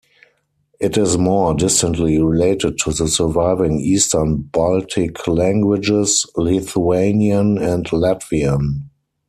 It is more distantly related to the surviving Eastern Baltic languages, Lithuanian and Latvian.